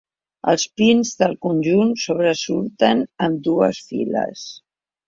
Els pins del conjunt sobresurten en dues files.